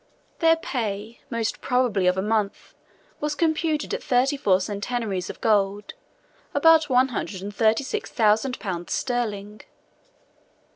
Their pay, most probably of a month, was computed at thirty four centenaries of gold, about one hundred and thirty six thousand pounds sterling.